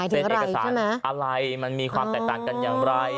เซ็นเอกสารอะไรมันมีความแตกต่างกันอย่างไร